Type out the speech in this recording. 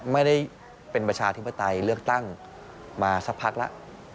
ไม่ได้เป็นประชาธิปไตยเลือกตั้งมาสักพักแล้ว